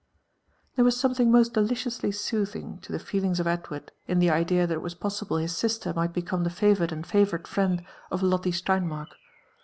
There was something most deliciously soothing to the feelings of Edward in the idea that it was possible his sister might become the favoured and favourite friend of Lolle Sleinmark.